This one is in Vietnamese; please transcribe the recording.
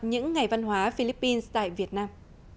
những ngày văn hóa philippines tại việt nam